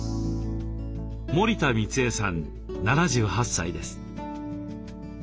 森田光江さん７８歳です。